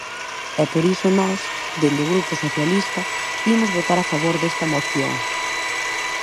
E por iso nós, dende o Grupo Socialista, imos votar a favor desta moción.